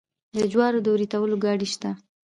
د جوارو د وریتولو ګاډۍ شته.